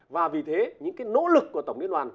và vì thế những cái nỗ lực của tổng liên đoàn